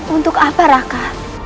untuk apa raka